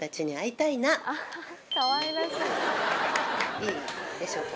いいでしょうか？